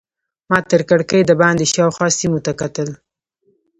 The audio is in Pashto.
ما تر کړکۍ دباندې شاوخوا سیمو ته کتل.